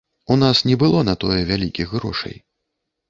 У нас не было на тое вялікіх грошай.